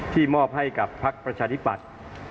ที่มอบให้กับพักประชาดิบัติ